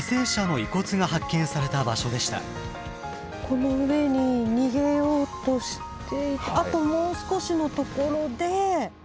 この上に逃げようとしていてあともう少しのところで。